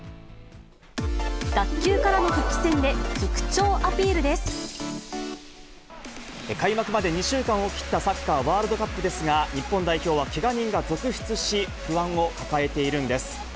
脱臼からの復帰戦で、開幕まで２週間を切ったサッカーワールドカップですが、日本代表はけが人が続出し、不安を抱えているんです。